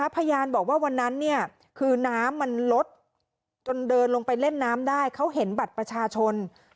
พยานบอกว่าวันนั้นคือน้ำมันลดจนเดินลงไปเล่นน้ำได้เขาเห็นบัตรประชาชน